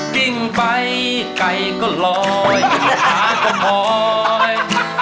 กิ้งไปไก่ก็ลอยขาก็พลอย